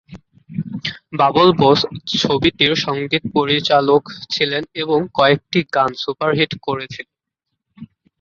বাবুল বোস ছবিটির সংগীত পরিচালক ছিলেন এবং কয়েকটি গান সুপারহিট করেছিল।